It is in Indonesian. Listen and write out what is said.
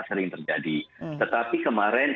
sering terjadi tetapi kemarin